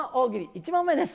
１問目です。